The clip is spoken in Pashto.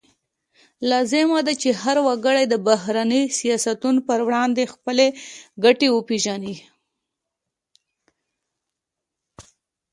لازمه ده چې هر وګړی د بهرني سیاستونو پر وړاندې خپلې ګټې وپیژني